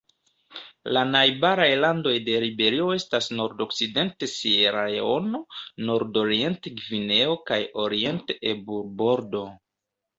La najbaraj landoj de Liberio estas nordokcidente Sieraleono, nordoriente Gvineo kaj oriente Ebur-Bordo.